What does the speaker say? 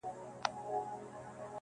چي نړیږي که له سره آبادیږي -